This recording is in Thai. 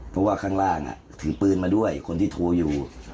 เพราะว่าข้างล่างถือปืนมาด้วยคนที่โทรอยู่